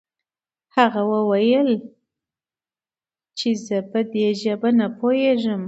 هغه وويل چې زه په دې ژبه نه پوهېږم.